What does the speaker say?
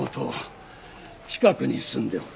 近くに住んでおる。